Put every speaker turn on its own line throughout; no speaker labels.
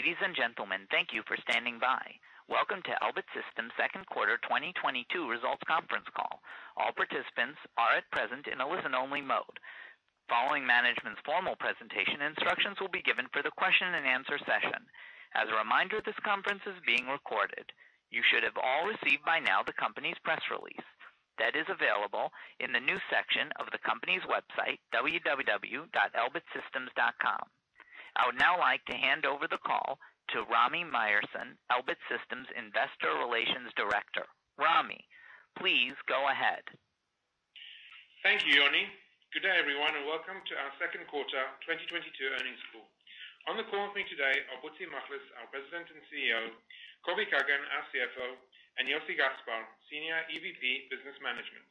Ladies and gentlemen, thank you for standing by. Welcome to Elbit Systems second quarter 2022 results conference call. All participants are at present in a listen-only mode. Following management's formal presentation, instructions will be given for the question and answer session. As a reminder, this conference is being recorded. You should have all received by now the company's press release that is available in the news section of the company's website www.elbitsystems.com. I would now like to hand over the call to Rami Myerson, Elbit Systems Investor Relations Director. Rami, please go ahead.
Thank you, Yoni. Good day, everyone, and welcome to our second quarter 2022 earnings call. On the call with me today are Butzi Machlis, our President and CEO, Kobi Kagan, our CFO, and Joseph Gaspar, Senior EVP, Business Management.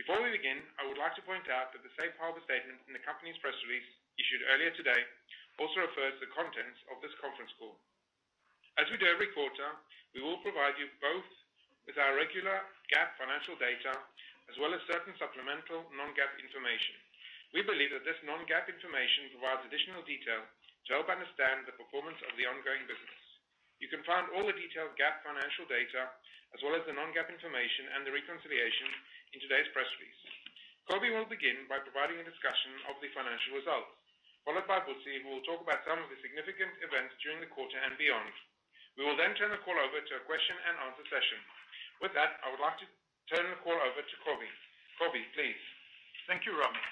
Before we begin, I would like to point out that the safe harbor statement in the company's press release issued earlier today also refers to the contents of this conference call. As we do every quarter, we will provide you both with our regular GAAP financial data, as well as certain supplemental non-GAAP information. We believe that this non-GAAP information provides additional detail to help understand the performance of the ongoing business. You can find all the detailed GAAP financial data as well as the non-GAAP information and the reconciliation in today's press release. Kobi will begin by providing a discussion of the financial results, followed by Butzi, who will talk about some of the significant events during the quarter and beyond. We will then turn the call over to a question-and-answer session. With that, I would like to turn the call over to Kobi. Kobi, please.
Thank you, Rami.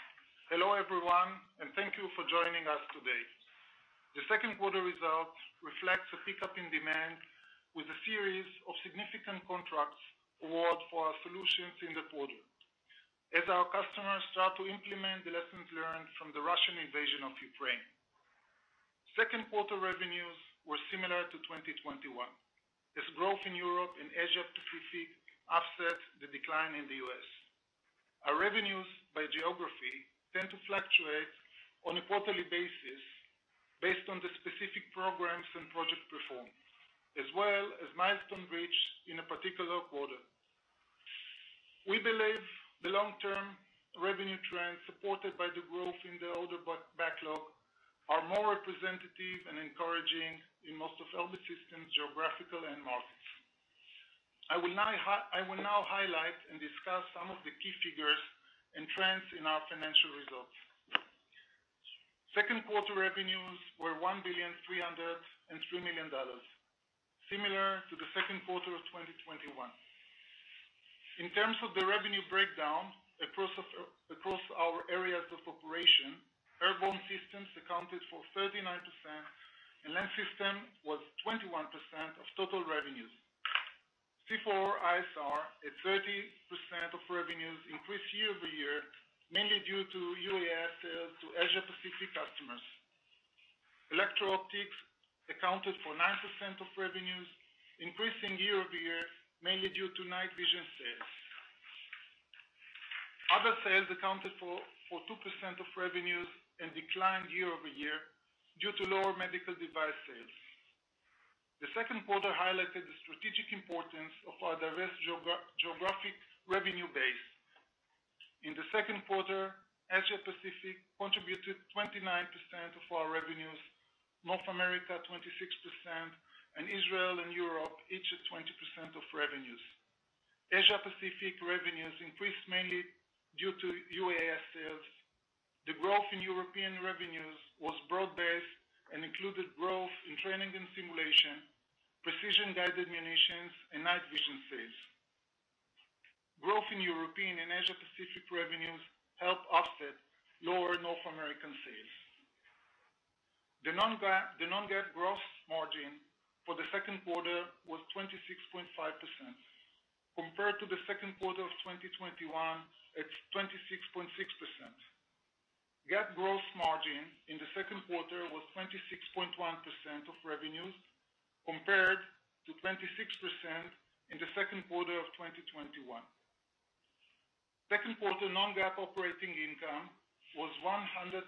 Hello, everyone, and thank you for joining us today. The second quarter results reflect a pickup in demand with a series of significant contracts awarded for our solutions in the quarter, as our customers start to implement the lessons learned from the Russian invasion of Ukraine. Second quarter revenues were similar to 2021, as growth in Europe and Asia Pacific offset the decline in the U.S. Our revenues by geography tend to fluctuate on a quarterly basis based on the specific programs and projects performed, as well as milestone reached in a particular quarter. We believe the long-term revenue trends supported by the growth in the order backlog are more representative and encouraging in most of Elbit Systems geographical end markets. I will now highlight and discuss some of the key figures and trends in our financial results. Second quarter revenues were $1.303 billion, similar to the second quarter of 2021. In terms of the revenue breakdown across our areas of operation, airborne systems accounted for 39%, and land systems was 21% of total revenues. C4ISR at 30% of revenues increased year-over-year, mainly due to UAS sales to Asia Pacific customers. Electro-optics accounted for 9% of revenues, increasing year-over-year, mainly due to night vision sales. Other sales accounted for 2% of revenues and declined year-over-year due to lower medical device sales. The second quarter highlighted the strategic importance of our diverse geographic revenue base. In the second quarter, Asia Pacific contributed 29% of our revenues, North America 26%, and Israel and Europe each at 20% of revenues. Asia Pacific revenues increased mainly due to UAS sales. The growth in European revenues was broad-based and included growth in training and simulation, precision-guided munitions, and night vision sales. Growth in European and Asia Pacific revenues helped offset lower North American sales. The non-GAAP gross margin for the second quarter was 26.5% compared to the second quarter of 2021 at 26.6%. GAAP gross margin in the second quarter was 26.1% of revenues compared to 26% in the second quarter of 2021. Second quarter non-GAAP operating income was $103.3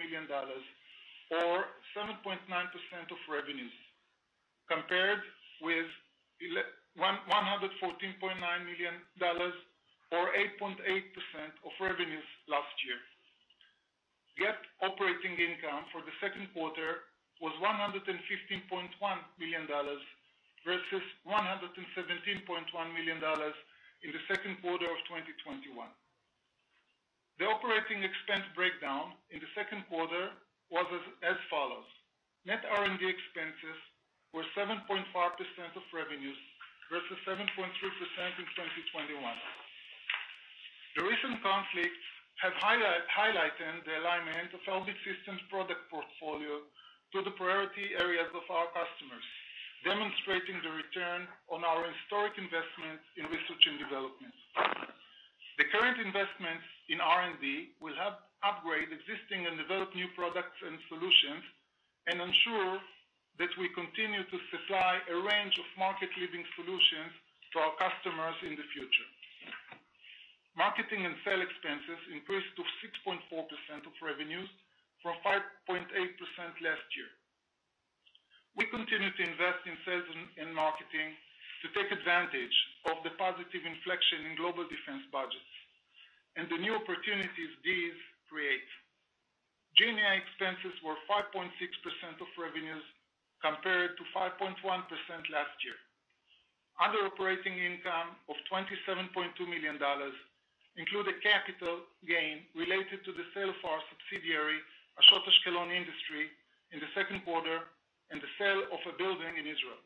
million or 7.9% of revenues compared with one hundred and fourteen point nine million or 8.8% of revenues last year. GAAP operating income for the second quarter was $115.1 million versus $117.1 million in the second quarter of 2021. The operating expense breakdown in the second quarter was as follows: Net R&D expenses were 7.5% of revenues versus 7.3% in 2021. The recent conflicts have highlighted the alignment of Elbit Systems product portfolio to the priority areas of our customers, demonstrating the return on our historic investment in research and development. The current investments in R&D will help upgrade existing and develop new products and solutions and ensure that we continue to supply a range of market leading solutions to our customers in the future. Marketing and sales expenses increased to 6.4% of revenues from 5.8% last year. We continue to invest in sales and marketing to take advantage of the positive inflection in global defense budgets. The new opportunities these create. G&A expenses were 5.6% of revenues compared to 5.1% last year. Other operating income of $27.2 million include a capital gain related to the sale of our subsidiary, Ashot Ashkelon Industries, in the second quarter and the sale of a building in Israel.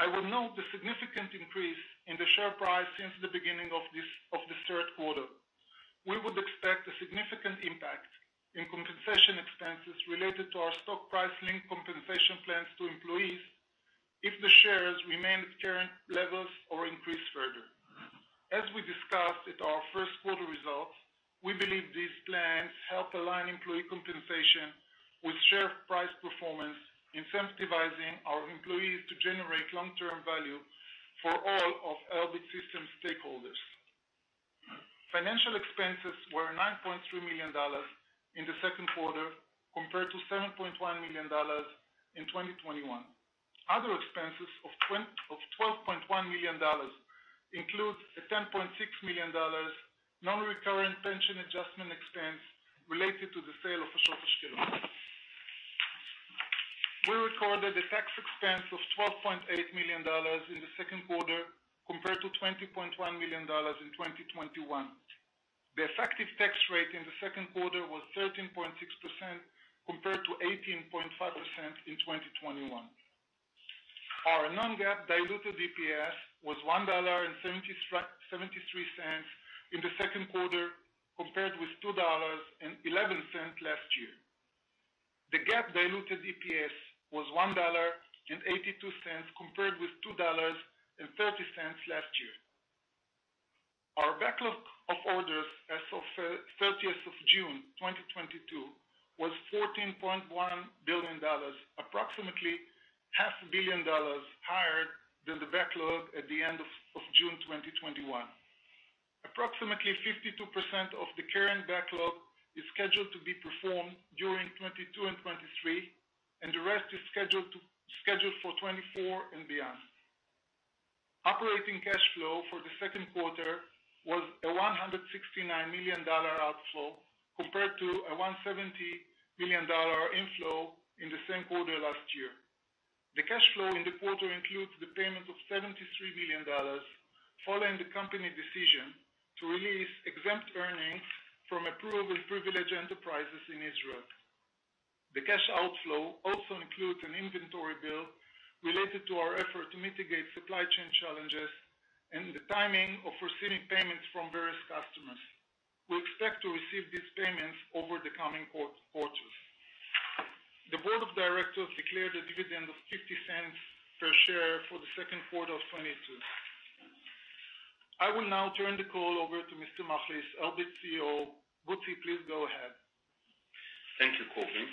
I will note the significant increase in the share price since the beginning of the third quarter. We would expect a significant impact in compensation expenses related to our stock price link compensation plans to employees if the shares remain at current levels or increase further. As we discussed at our first quarter results, we believe these plans help align employee compensation with share price performance, incentivizing our employees to generate long-term value for all of Elbit Systems stakeholders. Financial expenses were $9.3 million in the second quarter compared to $7.1 million in 2021. Other expenses of $12.1 million includes a $10.6 million non-recurrent pension adjustment expense related to the sale of Ashot Ashkelon. We recorded a tax expense of $12.8 million in the second quarter compared to $20.1 million in 2021. The effective tax rate in the second quarter was 13.6% compared to 18.5% in 2021. Our non-GAAP diluted EPS was $1.73 in the second quarter compared with $2.11 last year. The GAAP diluted EPS was $1.82 compared with $2.30 last year. Our backlog of orders as of June 30th, 2022 was $14.1 billion, approximately $500,000,000 higher than the backlog at the end of June 2021. Approximately 52% of the current backlog is scheduled to be performed during 2022 and 2023, and the rest is scheduled for 2024 and beyond. Operating cash flow for the second quarter was a $169 million outflow compared to a $170 million inflow in the same quarter last year. The cash flow in the quarter includes the payment of $73 million following the company decision to release exempt earnings from approved privileged enterprises in Israel. The cash outflow also includes an inventory build related to our effort to mitigate supply chain challenges and the timing of receiving payments from various customers. We expect to receive these payments over the coming quarters. The board of directors declared a dividend of $0.50 per share for the second quarter of 2022. I will now turn the call over to Mr. Machlis, Elbit CEO. Butzi, please go ahead.
Thank you, Kobi.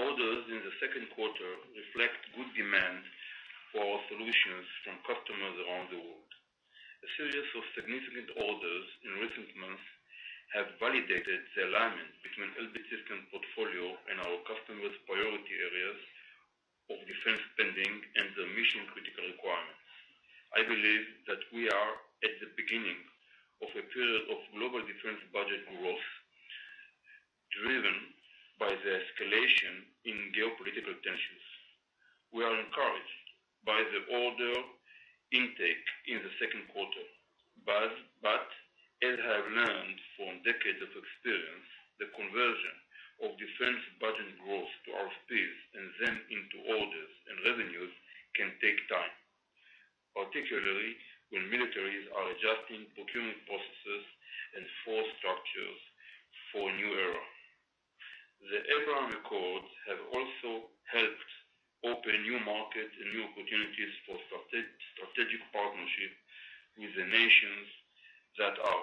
Orders in the second quarter reflect good demand for our solutions from customers around the world. A series of significant orders in recent months have validated the alignment between Elbit Systems' portfolio and our customers' priority areas of defense spending and the mission-critical requirements. I believe that we are at the beginning of a period of global defense budget growth, driven by the escalation in geopolitical tensions. We are encouraged by the order intake in the second quarter, but as I have learned from decades of experience, the conversion of defense budget growth to RFPs and then into orders and revenues can take time, particularly when militaries are adjusting procurement processes and force structures for a new era. The Abraham Accords have also helped open new markets and new opportunities for strategic partnership with the nations that are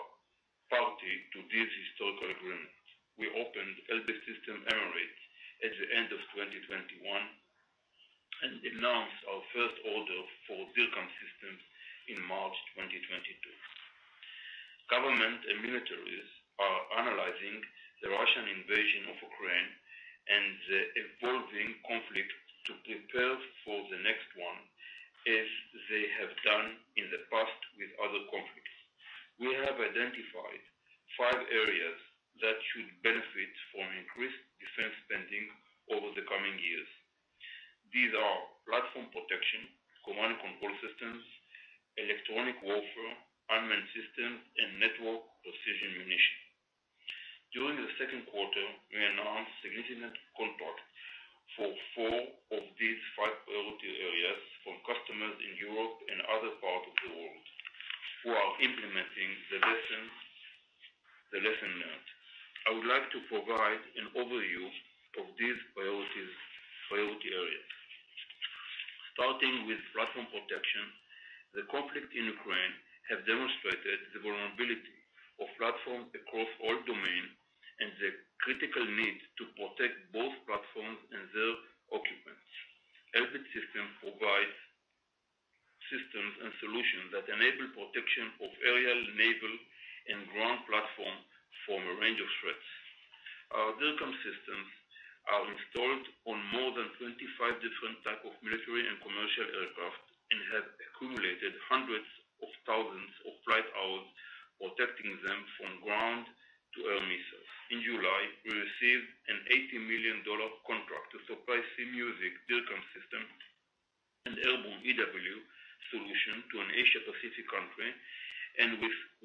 party to this historical agreement. We opened Elbit Systems Emirates at the end of 2021 and announced our first order for DIRCM Systems in March 2022. Governments and militaries are analyzing the Russian invasion of Ukraine and the evolving conflict to prepare for the next one, as they have done in the past with other conflicts. We have identified five areas that should benefit from increased defense spending over the coming years. These are platform protection, command and control systems, electronic warfare, armament systems, and network precision munition. During the second quarter, we announced significant contracts for four of these five priority areas from customers in Europe and other parts of the world who are implementing the lessons learned. I would like to provide an overview of these priority areas. Starting with platform protection, the conflict in Ukraine have demonstrated the vulnerability of platforms across all domain and the critical need to protect both platforms and their occupants. Elbit Systems provides systems and solutions that enable protection of aerial, naval, and ground platforms from a range of threats. Our DIRCM Systems are installed on more than 25 different type of military and commercial aircraft and have accumulated hundreds of thousands of flight hours protecting them from ground-to-air missiles. In July, we received an $80 million contract to supply C-MUSIC DIRCM System and airborne EW solution to an Asia Pacific country, and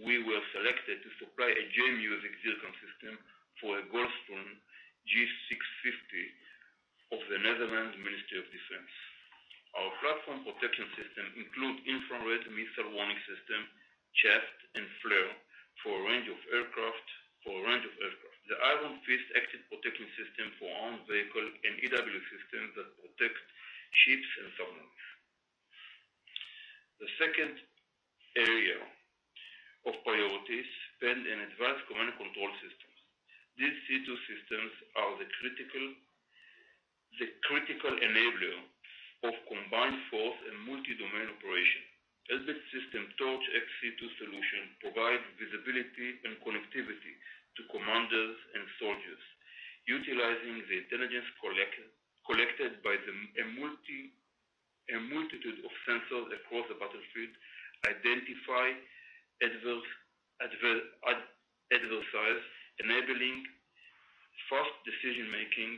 we were selected to supply a J-MUSIC DIRCM System for a Gulfstream G650 of the Netherlands Ministry of Defense. Our platform protection system include infrared missile warning system, chaff and flare for a range of aircraft. The Iron Fist Active Protection System for armored vehicles, and EW system that protects ships and submarines. The second area of priority spend in advanced command and control systems. These C2 systems are the critical enabler of combined forces and multi-domain operations. Elbit Systems Torch-X C2 Solution provides visibility and connectivity to commanders and soldiers, utilizing the intelligence collected by a multitude of sensors across the battlefield, identify adversaries, enabling fast decision-making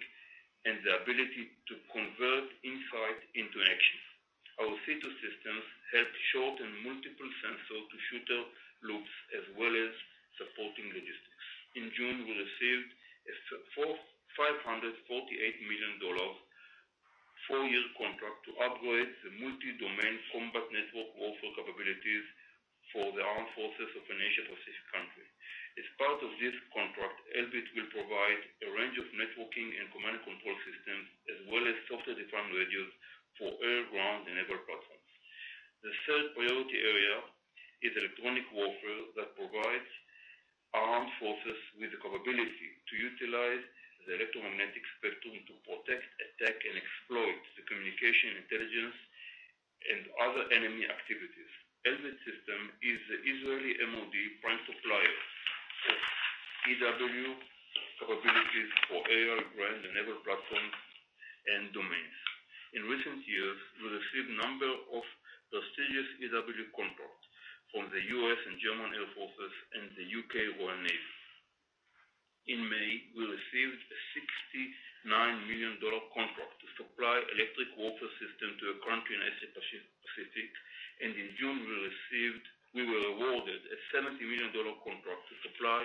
and the ability to convert insight into action. Our C2 systems help shorten multi-sensor to shooter loops as well as supporting logistics. In June, we received a $548 million four-year contract to upgrade the multi-domain combat network warfare capabilities for the armed forces of an Asia Pacific country. As part of this contract, Elbit Systems will provide a range of networking and command and control systems as well as software-defined radios for air, ground, and naval platforms. The third priority area is electronic warfare that provides armed forces with the capability to utilize the electromagnetic spectrum to protect, attack, and exploit the communication, intelligence, and other enemy activities. Elbit Systems is the Israeli MOD prime supplier of EW capabilities for air, ground, and naval platforms and domains. In recent years, we received a number of prestigious EW contracts from the U.S. and German Air Force and the U.K. Royal Navy. In May, we received a $69 million contract to supply electronic warfare system to a country in Asia Pacific, and in June, we were awarded a $70 million contract to supply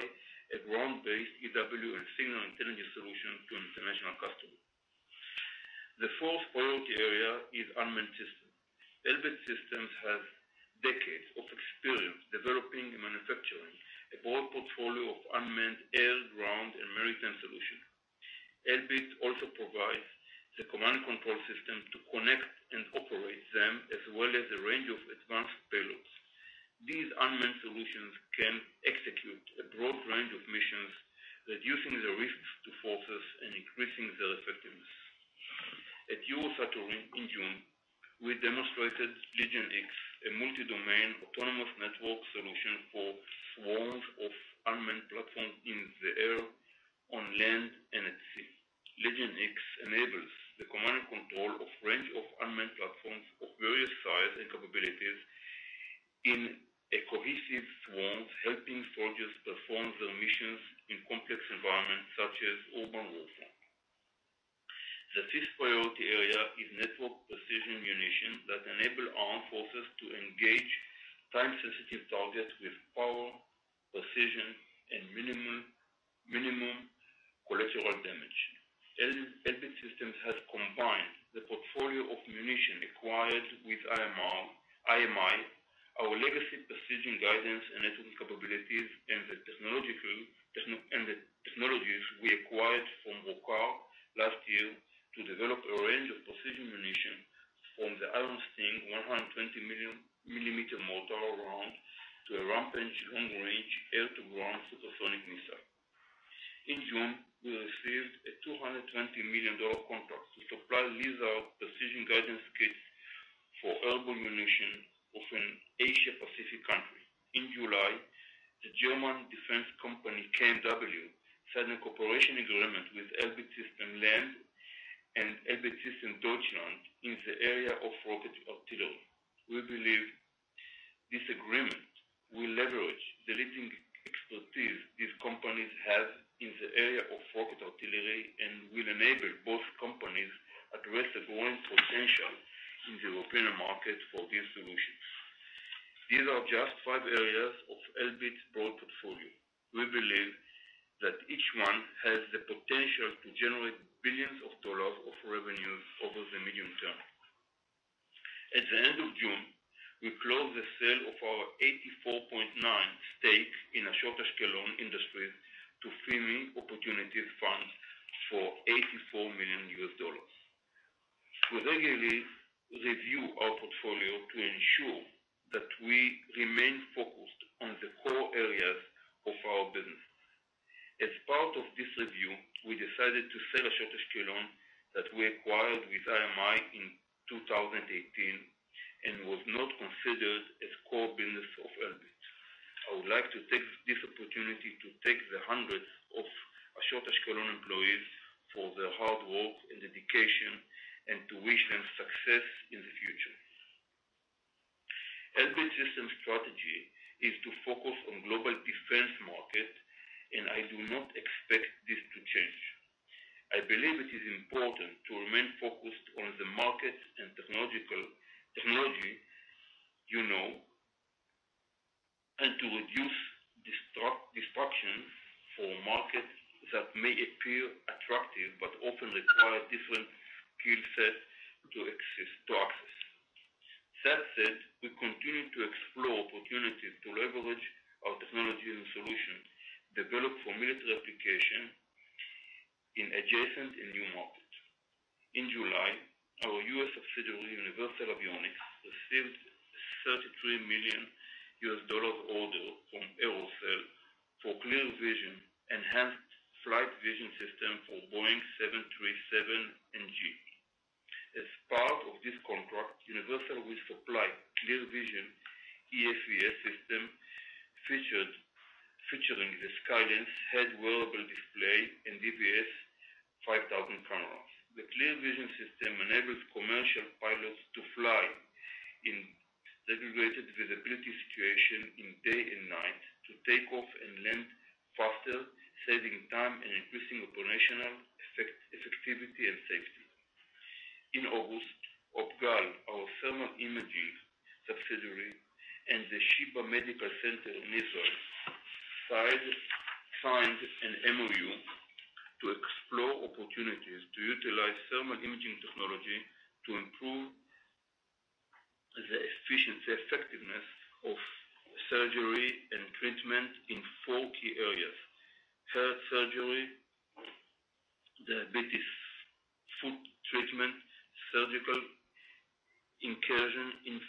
a ground-based EW and signal intelligence solution to an international customer. The fourth priority area is unmanned system. Elbit Systems has decades of experience developing and manufacturing a broad portfolio of unmanned air, ground, and maritime solution. Elbit also provides the command and control system to connect and operate them, as well as a range of advanced payloads. These unmanned solutions can execute a broad range of missions, reducing the risk to forces and increasing their effectiveness. At Eurosatory in June, we demonstrated Legion-X, a multi-domain autonomous network solution for swarms of unmanned platforms in the air, on land, and at sea. Legion-X enables the command and control of a range of unmanned platforms of various sizes and capabilities in a cohesive swarm, helping soldiers perform their missions in complex environments such as urban warfare. The fifth priority area is network precision munition that enable armed forces to engage time-sensitive targets with power, precision, and minimum collateral damage. Elbit Systems has combined the portfolio of munitions acquired with IMI, our legacy for $84 million. We regularly review our portfolio to ensure that we remain focused on the core areas of our business. As part of this review, we decided to sell Ashot Ashkelon that we acquired with IMI in 2018. was not considered as core business of Elbit. I would like to take this opportunity to thank the hundreds of Ashot Ashkelon employees for their hard work and dedication, and to wish them success in the future. Elbit Systems' strategy is to focus on global defense market, and I do not expect this to change. I believe it is important to remain focused on the market and technology you know, and to reduce distractions for markets that may appear attractive, but often require different skill set to succeed, to access. That said, we continue to explore opportunities to leverage our technology and solutions developed for military application in adjacent and new markets. In July, our US subsidiary, Universal Avionics, received $33 million order from AerSale for ClearVision Enhanced Flight Vision System for Boeing 737 NG. As part of this contract, Universal will supply ClearVision EFVS system featuring the SkyLens Head-Wearable Display and EVS-5000 panels. The ClearVision system enables commercial pilots to fly in degraded visibility situation in day and night to take off and land faster, saving time and increasing operational effectiveness and safety. In August, OPGAL, our thermal imaging subsidiary, and the Sheba Medical Center in Israel signed an MOU to explore opportunities to utilize thermal imaging technology to improve the efficiency, effectiveness of surgery and treatment in four key areas, heart surgery, diabetes, foot treatment, surgical incision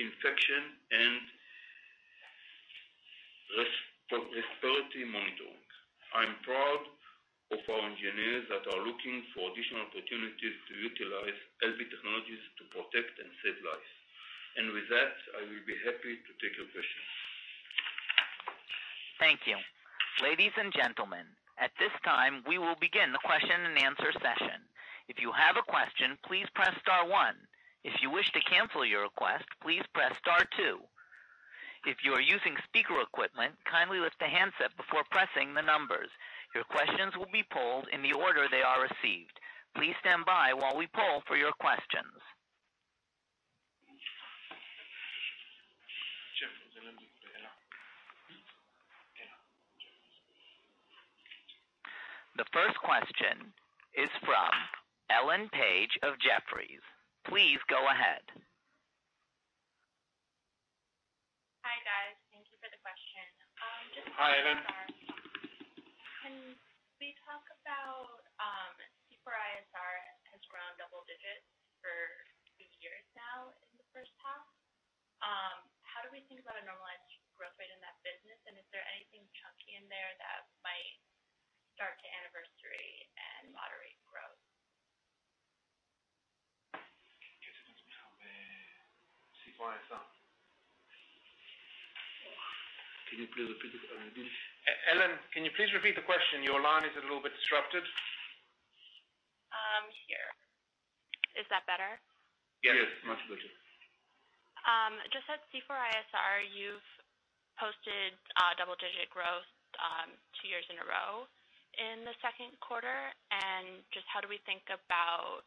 infection, and respiratory monitoring. I'm proud of our engineers that are looking for additional opportunities to utilize Elbit technologies to protect and save lives. With that, I will be happy to take your questions.
Thank you. Ladies and gentlemen, at this time, we will begin the question-and-answer session. If you have a question, please press star one. If you wish to cancel your request, please press star two. If you are using speaker equipment, kindly lift the handset before pressing the numbers. Your questions will be polled in the order they are received. Please stand by while we poll for your questions. The first question is from Ellen Page of Jefferies. Please go ahead.
Hi, guys. Thank you for the question.
Hi, Ellen.
Can we talk about C4ISR has grown double digits for a few years now in the first half. How do we think about a normalized growth rate in that business? Is there anything chunky in there that might start to anniversary and moderate growth?
Can you please repeat the question?
Ellen, can you please repeat the question? Your line is a little bit disrupted.
Here. Is that better?
Yes, much better.
Just at C4ISR, you've posted double-digit growth two years in a row in the second quarter. Just how do we think about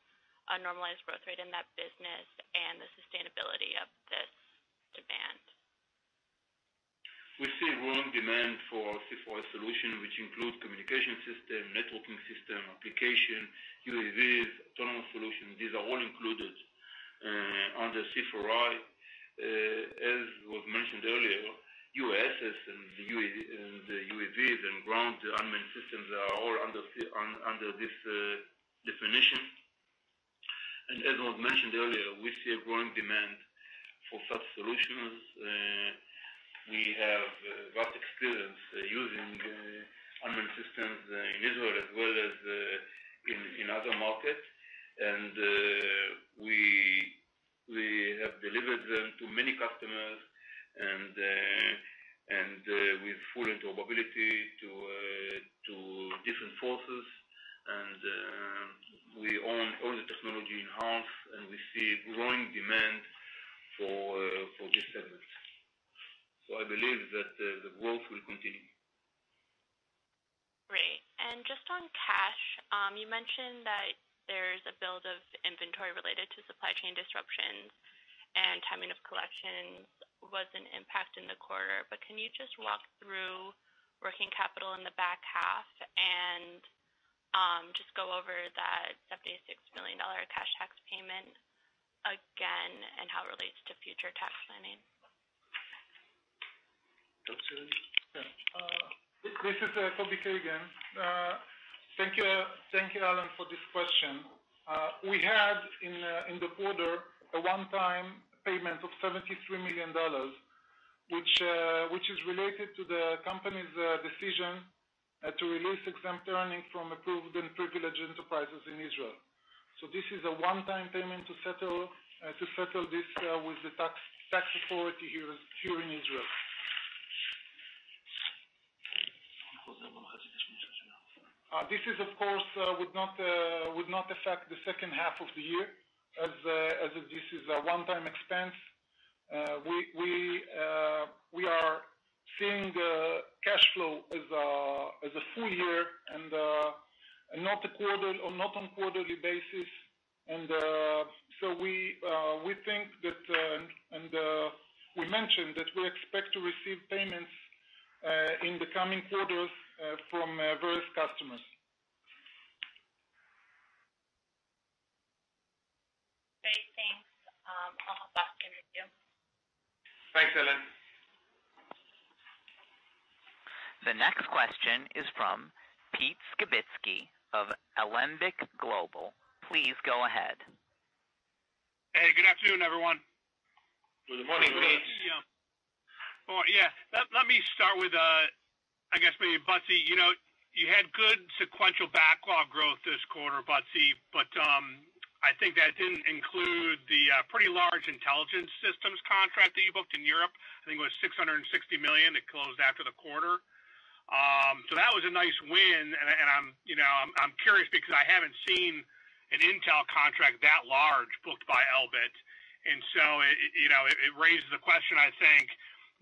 a normalized growth rate in that business and the sustainability of this demand?
We see growing demand for C4I solution, which includes communication system, networking system, application, UAVs, autonomous solutions. These are all included under C4I. As was mentioned earlier, USVs and the UAS, and the UAVs, and ground unmanned systems are all under this definition. As was mentioned earlier, we see a growing demand for such solutions. We have got experience using unmanned systems in Israel as well as in other markets. We have delivered them to many customers, and with full interoperability to different forces. We own all the technology in-house, and we see growing demand for this service. I believe that the growth will continue.
Great. Just on cash, you mentioned that there's a build of inventory related to supply chain disruptions and timing of collections was an impact in the quarter. Can you just walk through working capital in the back half and, just go over that $76 million cash tax payment again and how it relates to future tax planning?
Yeah. This is Kobi Kagan again. Thank you, Ellen, for this question. We had in the quarter a one-time payment of $73 million. Which is related to the company's decision to release exempt earnings from approved and privileged enterprises in Israel. This is a one-time payment to settle this with the tax authority here in Israel. This, of course, would not affect the second half of the year as if this is a one-time expense. We are seeing the cash flow as a full year and not on a quarterly basis. We think that, and we mentioned that we expect to receive payments in the coming quarters from various customers.
Great. with you.
Thanks, Ellen.
The next question is from Pete Skibitski of Alembic Global. Please go ahead.
Hey, good afternoon, everyone.
Good morning, Pete.
Yeah. Oh, yeah. Let me start with, I guess maybe Butzi. You know, you had good sequential backlog growth this quarter, Butzi, but I think that didn't include the pretty large intelligence systems contract that you booked in Europe. I think it was $660 million. It closed after the quarter. So that was a nice win and I'm, you know, I'm curious because I haven't seen an intel contract that large booked by Elbit. You know, it raises the question, I think.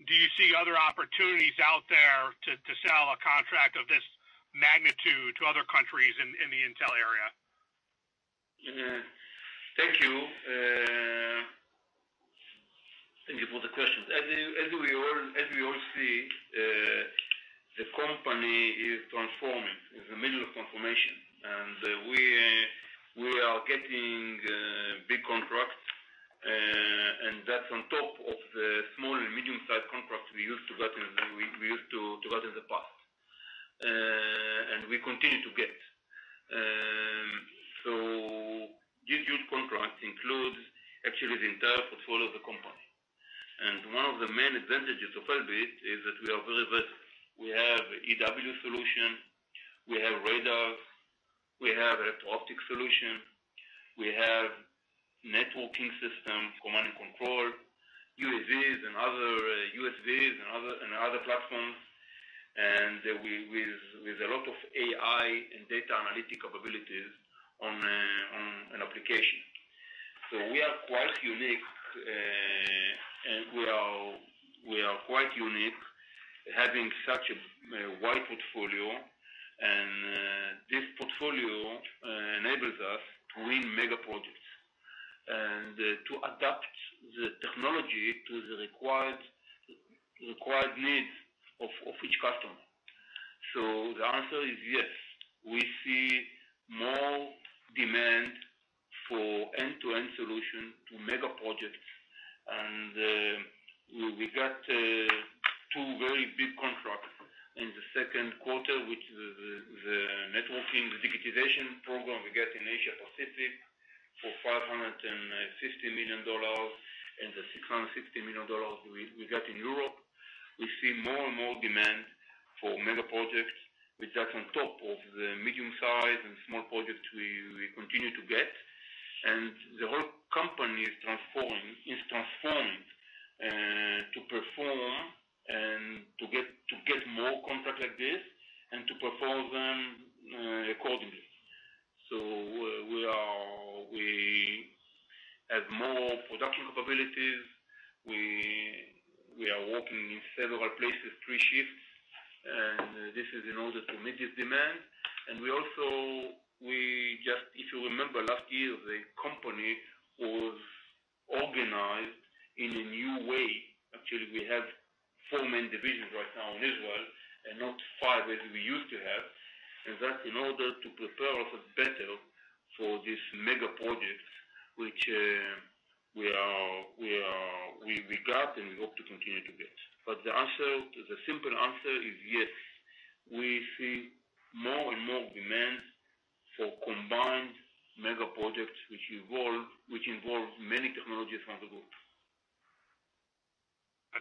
Do you see other opportunities out there to sell a contract of this magnitude to other countries in the intel area?
Yeah. Thank you. Thank you for the question. As you are, as we all see, the company is transforming, is in the middle of transformation. We are getting big contracts, and that's on top of the small and medium-sized contracts we used to get in the past. We continue to get. These huge contracts includes actually the entire portfolio of the company. One of the main advantages of Elbit is that we are very vast. We have EW solution, we have radars, we have Active Optic Solution, we have networking systems, command and control, UAVs and other, USVs and other, and other platforms. With a lot of AI and data analytic capabilities on an application. We are quite unique having such a wide portfolio, and this portfolio enables us to win mega projects, and to adapt the technology to the required needs of each customer. The answer is yes. We see more demand for end-to-end solution to mega projects, and we got two very big contracts in the second quarter, which the networking, the digitization program we get in Asia Pacific for $560 million and the $660 million we got in Europe. We see more and more demand for mega projects, which that's on top of the medium size and small projects we continue to get. The whole company is transforming, is transformed, to perform and to get more contracts like this and to perform them accordingly. We have more production capabilities. We are working in several places, three shifts, and this is in order to meet this demand. We also, if you remember last year, the company was organized in a new way. Actually, we have four main divisions right now in Israel and not five as we used to have. That's in order to prepare us better for these mega projects which we got and we hope to continue to get. The answer, the simple answer is yes, we see more and more demand for combined mega projects which involve many technologies from the group.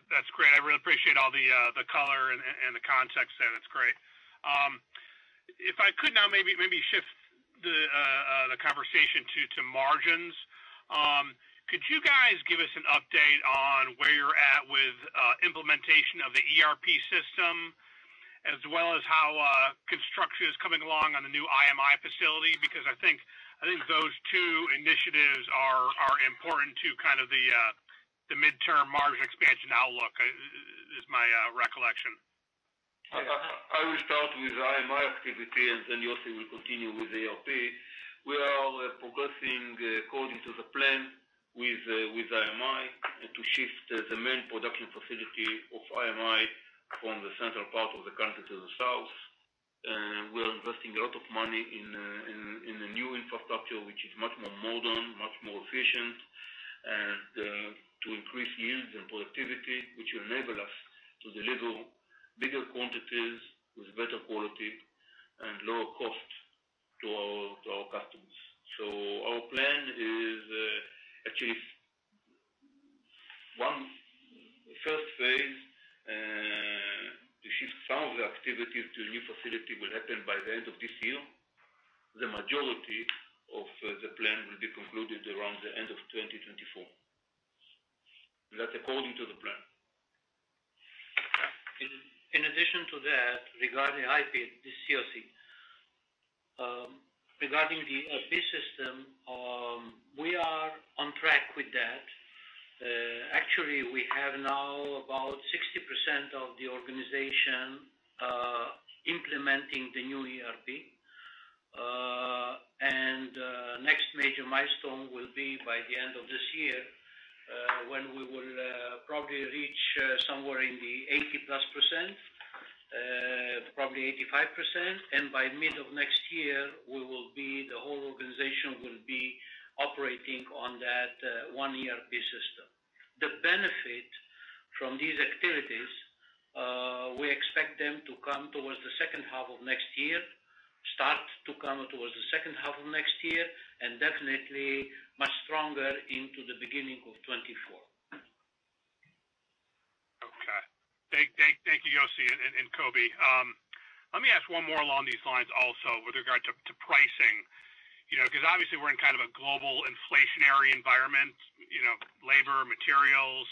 That's great. I really appreciate all the color and the context there. That's great. If I could now maybe shift the conversation to margins. Could you guys give us an update on where you're at with implementation of the ERP system, as well as how construction is coming along on the new IMI Facility? Because I think those two initiatives are important to kind of the midterm margin expansion outlook, is my recollection.
I will start with IMI activity, and then Yossi will continue with ERP. We are progressing according to the plan with IMI to shift the main production facility of IMI from the central part of the country to the south. We're investing a lot of money in the new infrastructure, which is much more modern, much more efficient, and to increase yields and productivity, which will enable us to deliver bigger quantities with better quality and lower cost to our customers. Our plan is actually first phase to shift some of the activities to a new facility will happen by the end of this year. The majority of the plan will be concluded around the end of 2024. That's according to the plan.
In addition to that, regarding IP, this is Yossi. Regarding the ERP system, we are on track with that. Actually, we have now about 60% of the organization implementing the new ERP. Next major milestone will be by the end of this year, when we will probably reach somewhere in the 80%+, probably 85%. By mid of next year, we will be, the whole organization will be operating on that one ERP system. The benefit from these activities, we expect them to start to come towards the second half of next year, and definitely much stronger into the beginning of 2024.
Okay. Thank you, Yossi and Kobi. Let me ask one more along these lines also with regard to pricing. You know, 'cause obviously we're in kind of a global inflationary environment, you know, labor, materials.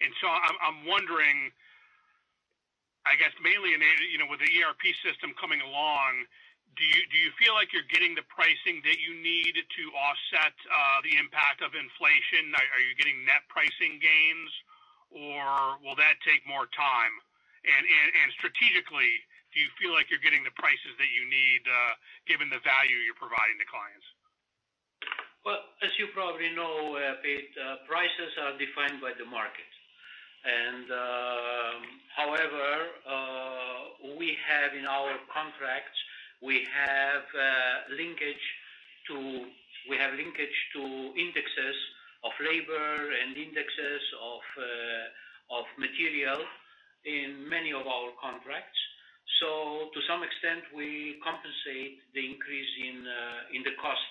I'm wondering, I guess, mainly, you know, with the ERP system coming along, do you feel like you're getting the pricing that you need to offset the impact of inflation? Are you getting net pricing gains, or will that take more time? Strategically, do you feel like you're getting the prices that you need, given the value you're providing to clients?
Well, as you probably know, Pete, prices are defined by the market. However, we have in our contracts linkage to indexes of labor and indexes of material in many of our contracts. To some extent, we compensate the increase in the cost.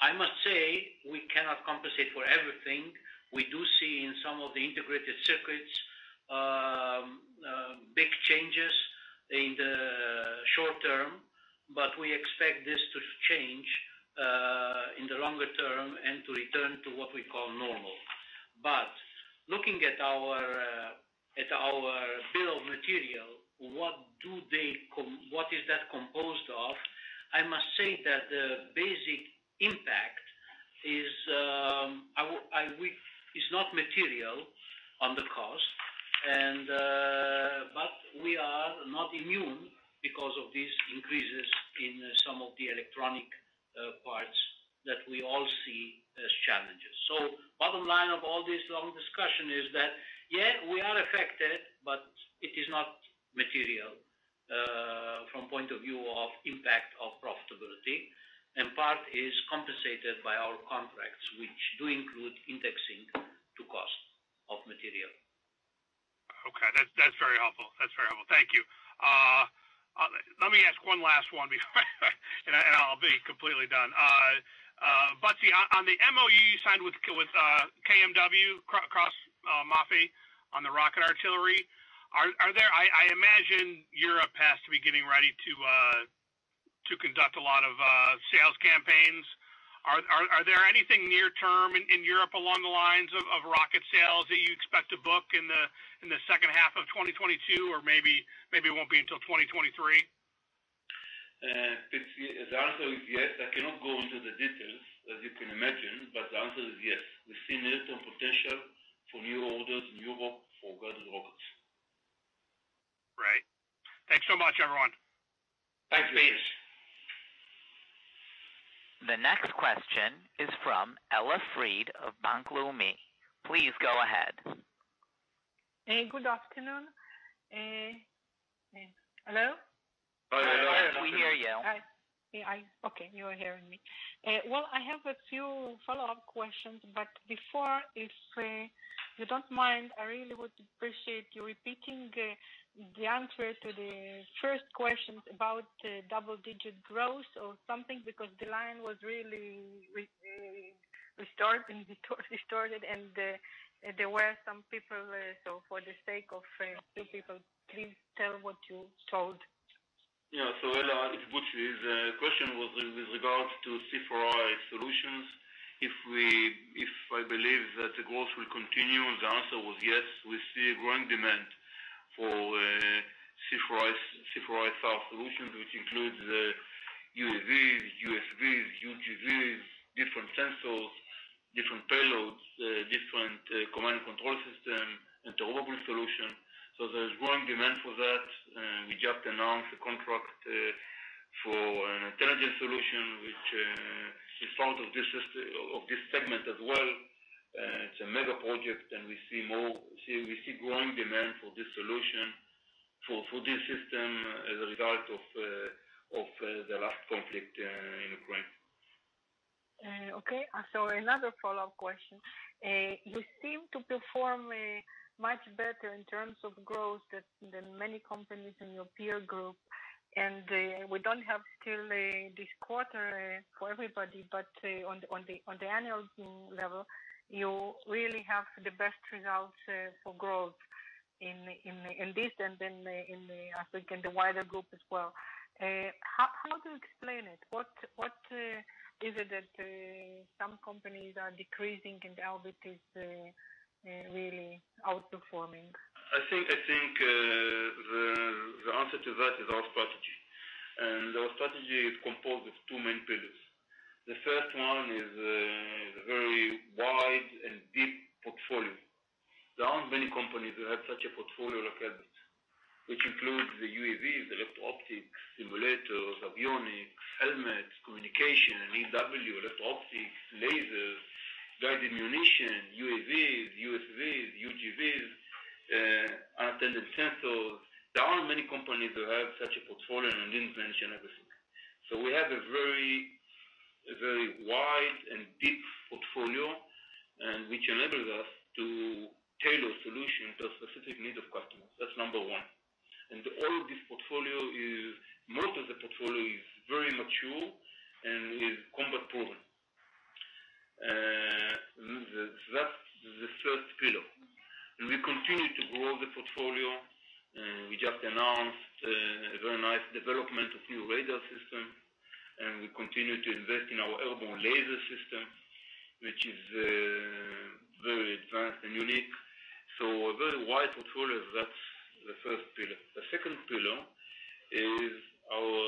I must say, we cannot compensate for everything. We do see in some of the integrated circuits big changes in the short term. We expect this to change in the longer term and to return to what we call normal. Looking at our bill of material, what is that composed of? I must say that the basic impact is not material on the cost. But we are not immune because of these increases in some of the electronic parts that we all see as challenges. Bottom line of all this long discussion is that, yes, we are affected, but it is not material from point of view of impact of profitability. Part is compensated by our contracts, which do include indexing to cost of material.
Okay. That's very helpful. Thank you. Let me ask one last one before, and I'll be completely done. Butzi, on the MOU you signed with Krauss-Maffei Wegmann on the rocket artillery, are there I imagine Europe has to be getting ready to conduct a lot of sales campaigns. Are there anything near term in Europe along the lines of rocket sales that you expect to book in the second half of 2022 or maybe it won't be until 2023?
Pete, the answer is yes. I cannot go into the details, as you can imagine, but the answer is yes. We've seen near-term potential for new orders, new bookings for guided rockets.
Right. Thanks so much, everyone.
Thanks, Pete.
The next question is from Ella Fried of Bank Leumi. Please go ahead.
Good afternoon. Hello?
Hello, Ella.
We hear you.
Okay, you are hearing me. Well, I have a few follow-up questions, but before, if you don't mind, I really would appreciate you repeating the answer to the first questions about double-digit growth or something, because the line was really restored, distorted. There were some people, so for the sake of new people, please tell what you told.
Yeah. Ella Fried, it's Butzi Machlis. The question was with regards to C4I solutions. If I believe that the growth will continue, the answer was yes. We see growing demand for C4ISR solutions, which includes UAVs, USVs, UGVs, different sensors, different payloads, different command and control system, interoperable solution. There's growing demand for that. We just announced a contract for an intelligent solution which is part of this segment as well. It's a mega project and we see growing demand for this solution, for this system as a result of the last conflict in.
Okay. Another follow-up question. You seem to perform much better in terms of growth than many companies in your peer group. We still don't have this quarter for everybody, but on the annual level, you really have the best results for growth in this and in the wider group as well. How do you explain it? What is it that some companies are decreasing and Elbit is really outperforming?
I think the answer to that is our strategy. Our strategy is composed of two main pillars. The first one is very wide and deep portfolio. There aren't many companies that have such a portfolio like Elbit, which includes the UAVs, electro-optics, simulators, avionics, helmets, communication, EW, electro-optics, lasers, guided munition, UAVs, USVs, UGVs, advanced sensors. There aren't many companies that have such a portfolio, and I didn't mention everything. We have a very wide and deep portfolio, which enables us to tailor solutions to the specific need of customers. That's number one. All of this portfolio is most of the portfolio is very mature and is combat proven. That's the first pillar. We continue to grow the portfolio. We just announced a very nice development of new radar system, and we continue to invest in our airborne laser system, which is very advanced and unique. A very wide portfolio, that's the first pillar. The second pillar is our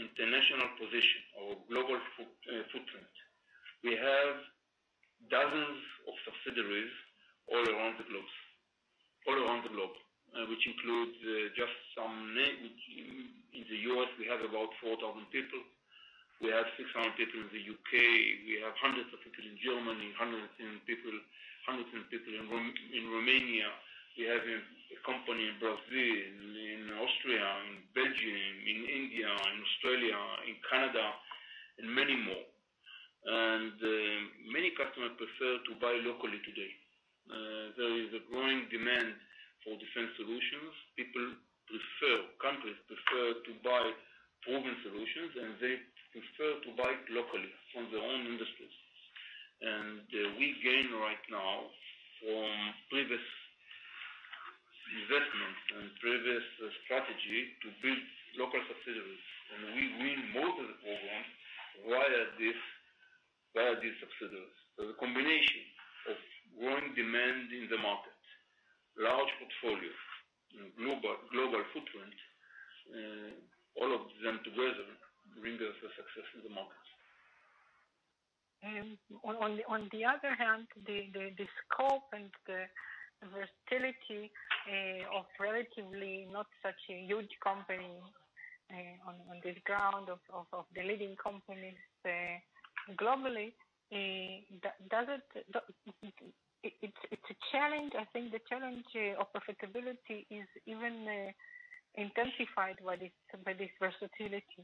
international position, our global footprint. We have dozens of subsidiaries all around the globe, which includes just some name. In the U.S. we have about 4,000 people. We have 600 people in the U.K. We have hundreds of people in Germany, hundreds of people in Romania. We have a company in Brazil, in Austria, in Belgium, in India, in Australia, in Canada, and many more. Many customers prefer to buy locally today. There is a growing demand for defense solutions. People prefer, countries prefer to buy proven solutions, and they prefer to buy locally from their own industries. We gain right now from previous investment and previous strategy to build local subsidiaries, and we win most of the program via this, via these subsidiaries. The combination of growing demand in the market, large portfolio, global footprint, all of them together bring us the success in the markets.
On the other hand, the scope and the versatility of relatively not such a huge company on this ground of the leading companies globally, it's a challenge. I think the challenge of profitability is even intensified by this versatility.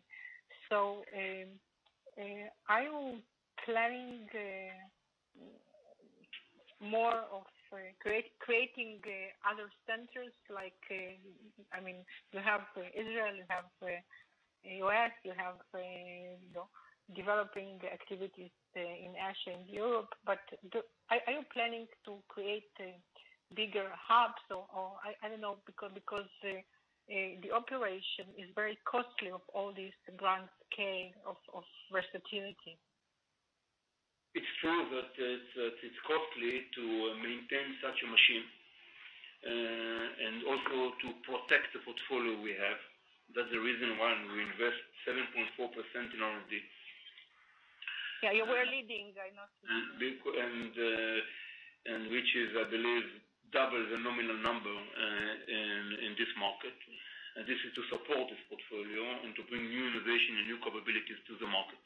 Are you planning more of creating other centers like, I mean, you have Israel, you have U.S., you have, you know, developing activities in Asia and Europe, but are you planning to create bigger hubs or, I don't know because the operation is very costly of all these grand scale of versatility.
It's true that it's costly to maintain such a machine, and also to protect the portfolio we have. That's the reason why we invest 7.4% in R&D.
Yeah. You were leading, I know.
Which is, I believe, double the nominal number in this market. This is to support this portfolio and to bring new innovation and new capabilities to the market.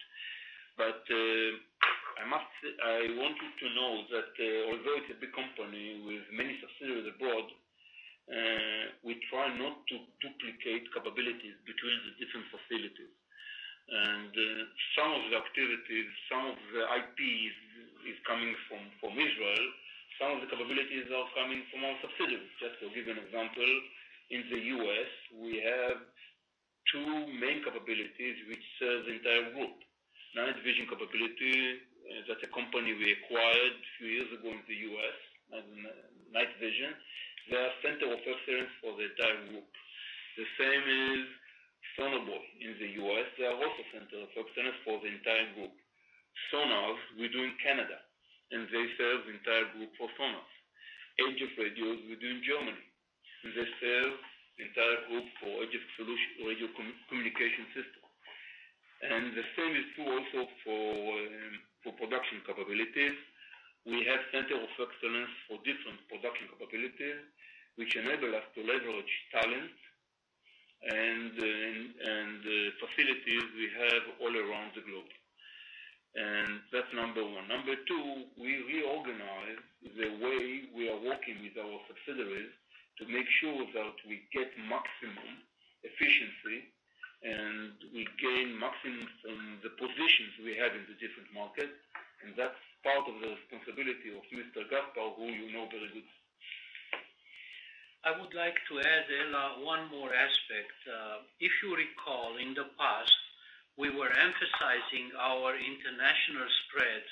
I must say, I want you to know that although it's a big company with many subsidiaries abroad, we try not to duplicate capabilities between the different facilities. Some of the activities, some of the IPs is coming from Israel. Some of the capabilities are coming from our subsidiaries. Just to give you an example, in the U.S., we have two main capabilities which serves the entire group. Night vision capability, that's a company we acquired a few years ago in the U.S. as night vision. They are center of excellence for the entire group. The same is sonobuoy. In the U.S., they are also center of excellence for the entire group. Sonars, we do in Canada, and they serve the entire group for sonars. SDR radios, we do in Germany, and they serve the entire group for radio solution, radio communication system. The same is true also for production capabilities. We have center of excellence for different production capabilities, which enable us to leverage talent and facilities we have all around the globe. That's number one. Number two. With our subsidiaries to make sure that we get maximum efficiency and we gain maximum from the positions we have in the different markets, and that's part of the responsibility of Mr. Gaspar, who you know very good.
I would like to add, Ella, one more aspect. If you recall, in the past, we were emphasizing our international spread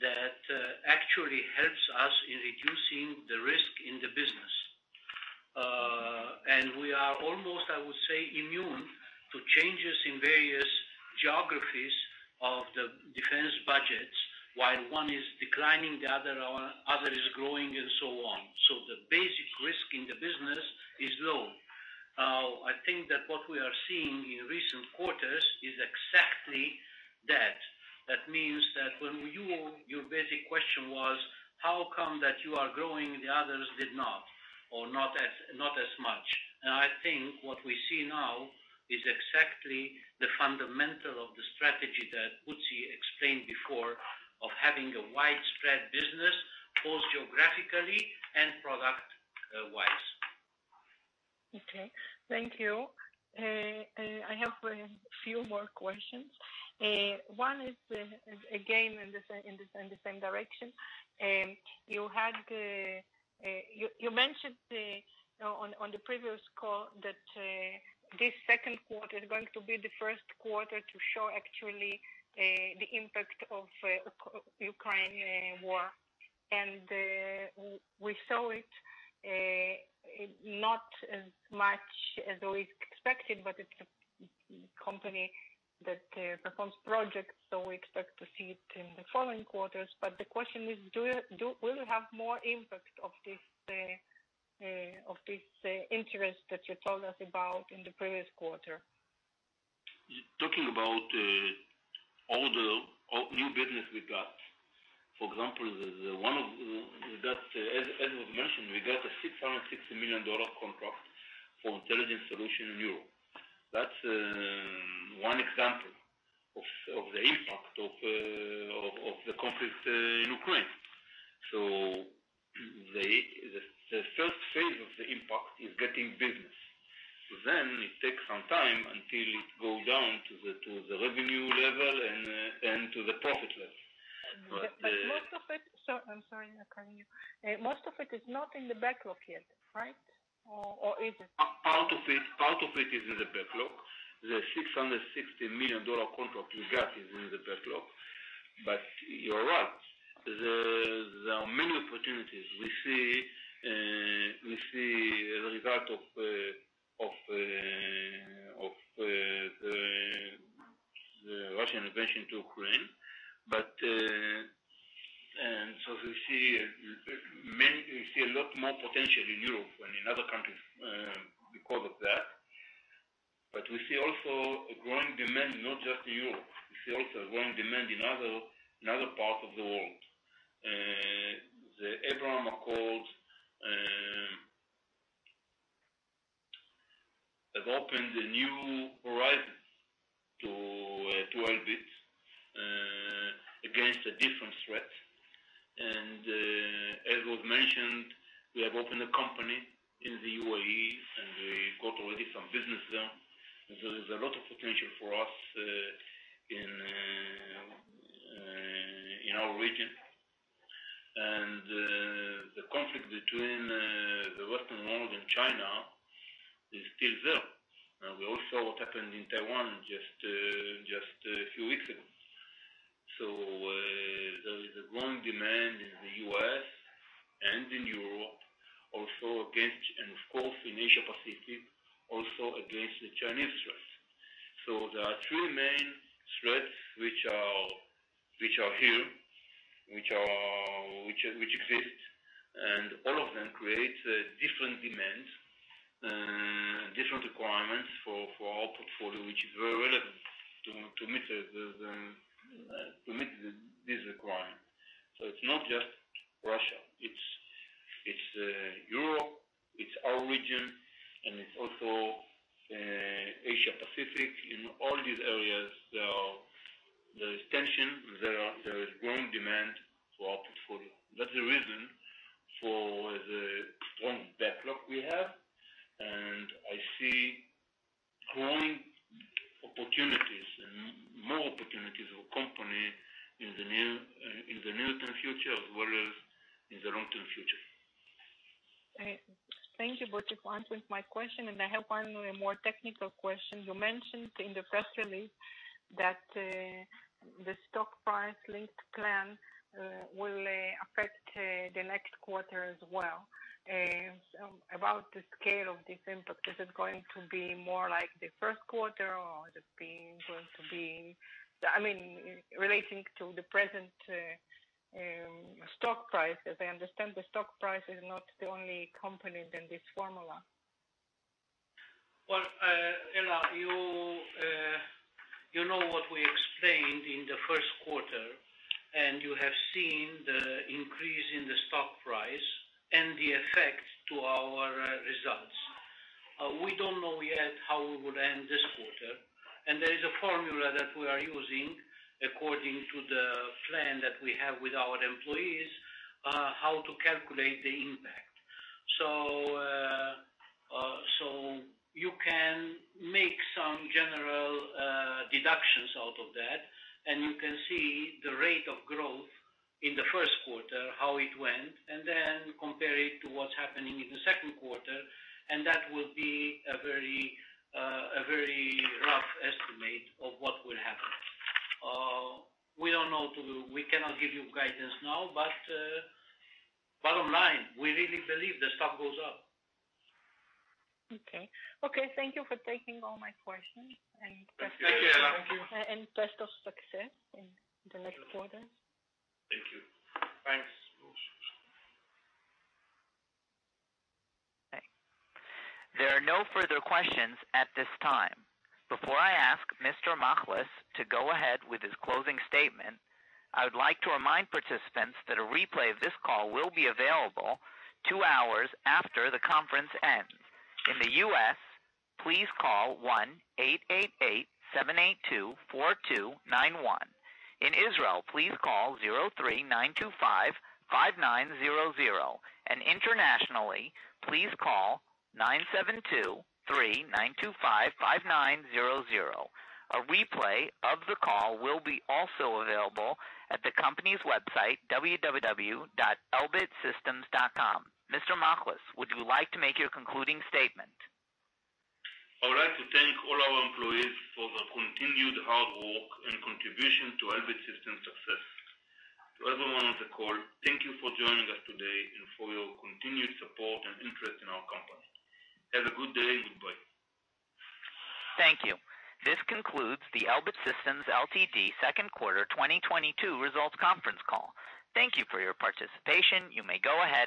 that actually helps us in reducing the risk in the business. We are almost, I would say, immune to changes in various geographies of the defense budgets. While one is declining, the other is growing, and so on. The basic risk in the business is low. I think that what we are seeing in recent quarters is exactly that. Your basic question was, how come that you are growing and the others did not, or not as much? I think what we see now is exactly the fundamental of the strategy that Butzi explained before of having a widespread business, both geographically and product wise.
Okay. Thank you. I have a few more questions. One is, again, in the same direction. You mentioned on the previous call that this second quarter is going to be the first quarter to show actually the impact of the Ukraine war. We saw it not as much as we expected, but it's a company that performs projects, so we expect to see it in the following quarters. The question is, will you have more impact of this interest that you told us about in the previous quarter?
Talking about all the new business we got. For example, the one that, as was mentioned, we got a $660 million contract for intelligence solution in Europe. That's one example of the impact of the conflict in Ukraine. The first phase of the impact is getting business. Then it takes some time until it go down to the revenue level and to the profit level. But.
Most of it. I'm sorry, I cut you. Most of it is not in the backlog yet, right? Or is it?
Part of it is in the backlog. The $660 million contract we got is in the backlog. You're right. There are many opportunities. We see the result of the Russian invasion to Ukraine. We see a lot more potential in Europe than in other countries because of that. We see also a growing demand, not just in Europe. We see also a growing demand in other parts of the world. The Abraham Accords have opened a new horizon to Elbit against the different threats. As was mentioned, we have opened a company in the UAE, and we got already some business there. There's a lot of potential for us in our region. The conflict between the Western world and China is still there. We all saw what happened in Taiwan just a few weeks ago. There is a growing demand in the U.S. and in Europe also against, and of course, in Asia Pacific, also against the Chinese threats. There are three main threats which exist, and all of them create different demands, different requirements for our portfolio, which is very relevant to meet this requirement. It's not just Russia, it's Europe, it's our region, and it's also Asia Pacific. In all these areas, there is tension, there is growing demand for our portfolio. That's the reason for the strong backlog we have, and I see growing opportunities and more opportunities for company in the near-term future as well as in the long-term future.
Thank you both for answering my question, and I have one more technical question. You mentioned in the press release that the stock price linked plan will affect the next quarter as well. About the scale of this impact, is it going to be more like the first quarter or is it going to be I mean, relating to the present stock price? As I understand, the stock price is not the only component in this formula.
Well, Ella, you know what we explained in the first quarter, and you have seen the increase in the stock price. Look at how we would end this quarter. There is a formula that we are using according to the plan that we have with our employees, how to calculate the impact. You can make some general deductions out of that, and you can see the rate of growth in the first quarter, how it went, and then compare it to what's happening in the second quarter, and that would be a very rough estimate of what will happen. We cannot give you guidance now, but bottom line, we really believe the stock goes up.
Okay, thank you for taking all my questions and best.
Thank you.
Best of success in the next quarter.
Thank you.
Thanks.
There are no further questions at this time. Before I ask Mr. Machlis to go ahead with his closing statement, I would like to remind participants that a replay of this call will be available two hours after the conference ends. In the U.S., please call 1-888-782-4291. In Israel, please call 03-925-5900. Internationally, please call 972-3-925-5900. A replay of the call will be also available at the company's website, www.elbitsystems.com. Mr. Machlis, would you like to make your concluding statement?
I would like to thank all our employees for their continued hard work and contribution to Elbit Systems' success. To everyone on the call, thank you for joining us today and for your continued support and interest in our company. Have a good day. Goodbye.
Thank you. This concludes the Elbit Systems Ltd. second quarter 2022 results conference call. Thank you for your participation. You may go ahead and disconnect your lines.